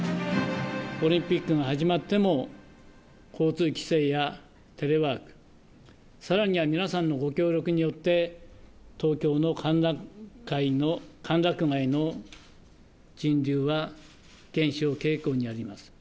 オリンピックが始まっても、交通規制やテレワーク、さらには皆さんのご協力によって、東京の歓楽街の人流は減少傾向にあります。